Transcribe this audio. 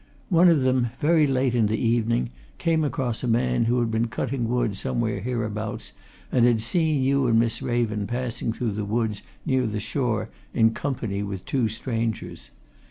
One of them, very late in the evening, came across a man who had been cutting wood somewhere hereabouts and had seen you and Miss Raven passing through the woods near the shore in company with two strangers.